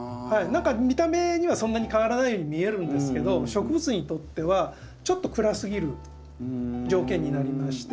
何か見た目にはそんなに変わらないように見えるんですけど植物にとってはちょっと暗すぎる条件になりまして。